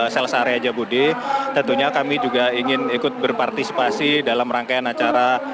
sales area jabudi tentunya kami juga ingin ikut berpartisipasi dalam rangkaian acara